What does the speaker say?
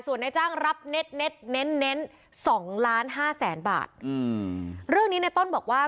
ส่วนนายจ้างรับเน็ด๒ล้าน๕แสนบาทอืมเรื่องนี้ในต้นบอกว่า